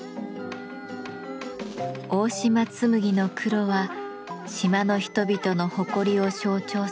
大島紬の黒は島の人々の誇りを象徴する宝の絹織物です。